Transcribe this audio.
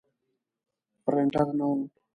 پرنټر نه و.